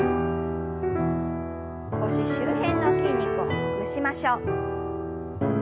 腰周辺の筋肉をほぐしましょう。